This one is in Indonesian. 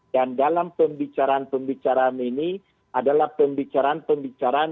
dan dalam pembicaraan pembicaraan ini adalah pembicaraan pembicaraan